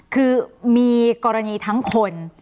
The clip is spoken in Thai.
คือมีกรณีทั้งคน